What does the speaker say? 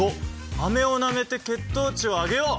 「アメをなめて血糖値を上げよう！」。